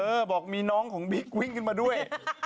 บอกมีน้องของบิ๊กวิ่งขึ้นมาด้วย